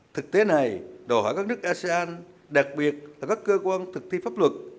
thực tế này đòi hỏi các nước asean đặc biệt là các cơ quan thực thi pháp luật